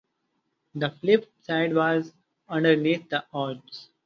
The flip side was "Underneath the Arches".